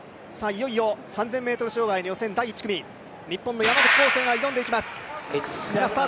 いよいよ３０００ｍ障害の予選第１組日本の山口浩勢が挑んでいきます。